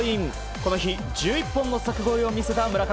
この日、１１本の柵越えを見せた村上。